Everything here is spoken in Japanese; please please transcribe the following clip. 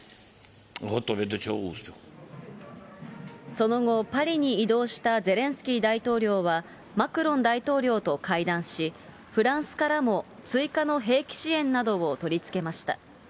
その後、パリに移動したゼレンスキー大統領はマクロン大統領と会談し、フランスからも追加の兵器支援などを取り付けました。